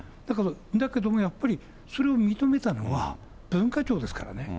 だけどもやっぱり、それを認めたのは、文化庁ですからね。